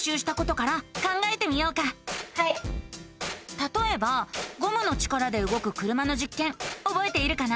たとえばゴムの力でうごく車のじっけんおぼえているかな？